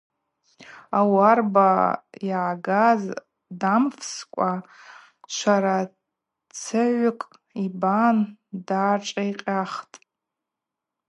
Ауарба йагаз дамфскӏва шварацыгӏвкӏ йбан дгӏашӏикъьахтӏ.